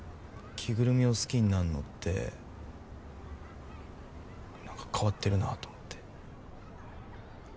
着ぐるみを好きになんのって何か変わってるなぁと思って。